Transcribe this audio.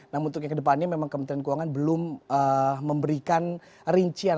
namun untuk yang kedepannya memang kementerian keuangan belum memberikan rincian